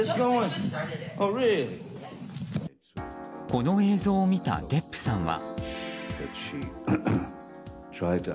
この映像を見たデップさんは。